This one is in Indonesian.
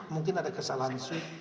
mungkin ada kesalahan